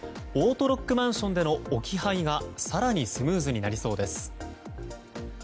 オートロックマンションでの置き配が更にスムーズになりそうです。